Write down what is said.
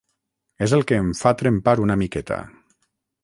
És el que em fa trempar una miqueta.